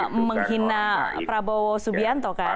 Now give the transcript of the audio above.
karena menghina prabowo subianto kan